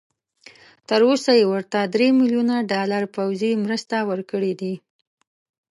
تر اوسه یې ورته درې بيلیونه ډالر پوځي مرسته ورکړي دي.